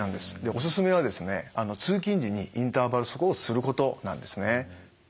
おすすめは通勤時にインターバル速歩をすることなんですね。